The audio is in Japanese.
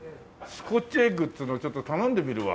スコッチエッグっていうのをちょっと頼んでみるわ。